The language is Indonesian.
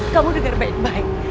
kamu denger baik baik